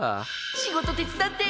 仕事手伝って。